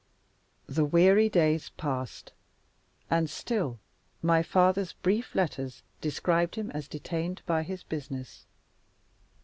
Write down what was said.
The weary days passed; and still my father's brief letters described him as detained by his business.